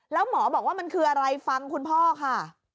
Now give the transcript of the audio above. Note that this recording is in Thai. แล้วหมอบอกว่ามันคืออะไรฟังคุณพ่อค่ะ